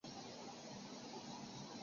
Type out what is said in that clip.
贾尼别克。